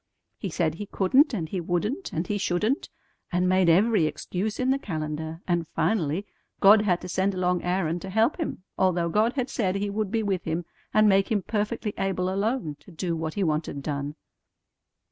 He said he couldn't and he wouldn't and he shouldn't, and made every excuse in the calendar; and finally God had to send along Aaron to help him, although God had said He would be with him and make him perfectly able alone to do what He wanted done."